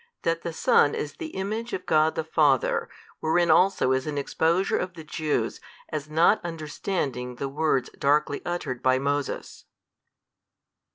That the Son is the Image of God the Father, wherein also is an exposure of the Jews as not understanding the words darkly uttered by Moses.